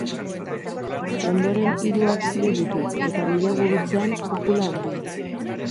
Ondoren hiru abside ditu eta bidegurutzean kupula handia.